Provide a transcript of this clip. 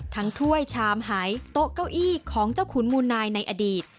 ถ้วยชามหายโต๊ะเก้าอี้ของเจ้าขุนมูลนายในอดีต